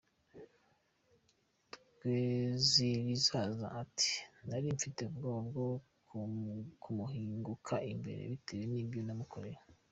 Ntezirizaza ati “ Nari mfite ubwoba bwo kumuhinguka imbere bitewe n’ibyo namukoreye.